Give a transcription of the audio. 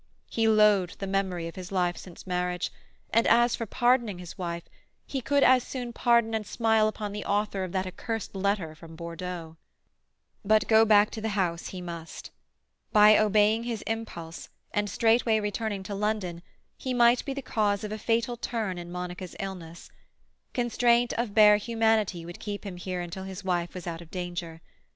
He loathed the memory of his life since marriage; and as for pardoning his wife, he could as soon pardon and smile upon the author of that accursed letter from Bordeaux. But go back to the house he must. By obeying his impulse, and straightway returning to London, he might be the cause of a fatal turn in Monica's illness. Constraint of bare humanity would keep him here until his wife was out of danger.